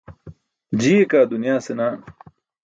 Jiiye kaa dunyaa senaan.